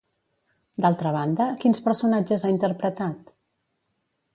D'altra banda, quins personatges ha interpretat?